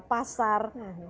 dan masalah mengenal pasar